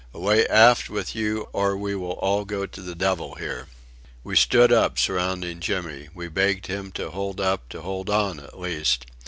Away aft with you, or we will all go to the devil here." We stood up surrounding Jimmy. We begged him to hold up, to hold on, at least.